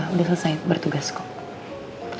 udah selesai bertugas kok